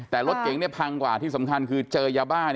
แต่รถเก๋งพังกว่าที่สำคัญคือเจอยาบ้า